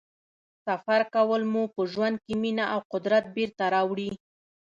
سفر کول مو په ژوند کې مینه او قدرت بېرته راوړي.